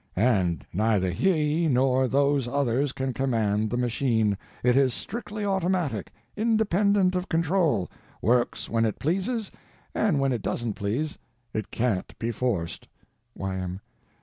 And neither he nor those others can command the machine—it is strictly automatic, independent of control, works when it pleases, and when it doesn't please, it can't be forced. Y.M.